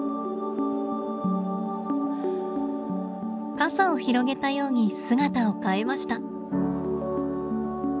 傘を広げたように姿を変えました。